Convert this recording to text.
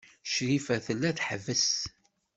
Crifa tella tḥebbes.